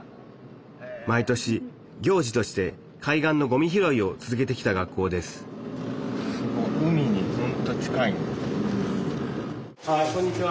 毎年行事として海岸のごみ拾いを続けてきた学校ですあこんにちは。